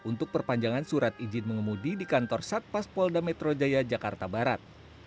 untuk perpanjangan surat izin mengemudi di kantor satpas polda metro jaya jakarta barat